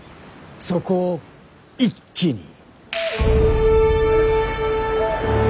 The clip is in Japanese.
そこを一気に。